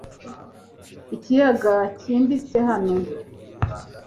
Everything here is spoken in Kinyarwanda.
Ikiyaga cyimbitse hano .